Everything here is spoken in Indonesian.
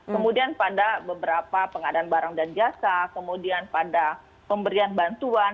kemudian pada beberapa pengadaan barang dan jasa kemudian pada pemberian bantuan